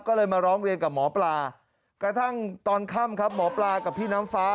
ก็เลยมาร้องเรียนกับหมอปลากระทั่งตอนค่ำครับหมอปลากับพี่น้ำฟ้า